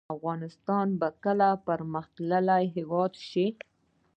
افغانستان به کله پرمختللی هیواد شي؟